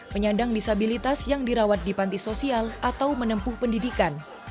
penyandang disabilitas yang dirawat di panti sosial atau menempuh pendidikan